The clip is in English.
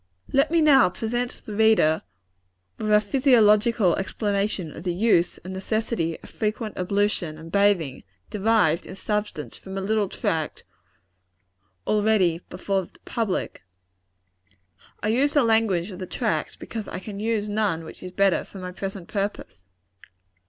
Let me now present the reader with a physiological explanation of the use and necessity of frequent ablution and bathing; derived, in substance, from a little tract already before the public. [Footnote: See "Thoughts on Bathing." page 8.] I use the language of the tract, because I can use none which is better for my present purpose.